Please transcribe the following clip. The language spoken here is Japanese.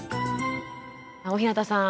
大日向さん